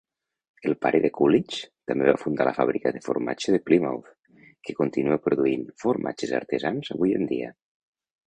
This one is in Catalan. El pare de Coolidge també va fundar la fàbrica de formatge de Plymouth, que continua produint formatges artesans avui en dia.